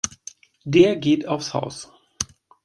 Der geht aufs Haus.